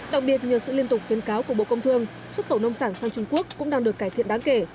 đặc biệt nhờ sự liên tục khuyến cáo của bộ công thương xuất khẩu nông sản sang trung quốc cũng đang được cải thiện đáng kể